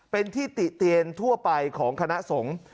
เป็นที่ติเตียนทั่วไปของคณะสงฆ์